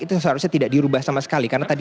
itu seharusnya tidak dirubah sama sekali karena tadi